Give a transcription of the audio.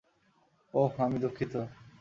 ওহ, আমি দুঃখিত।